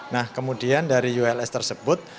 nah kemudian dari uls tersebut